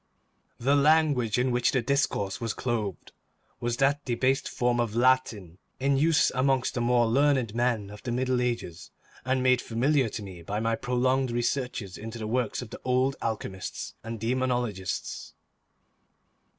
The language in which the discourse was clothed was that debased form of Latin in use amongst the more learned men of the Middle Ages, and made familiar to me by my prolonged researches into the works of the old alchemists and demonologists.